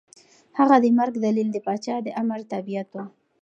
د هغه د مرګ دلیل د پاچا د امر تابعیت و.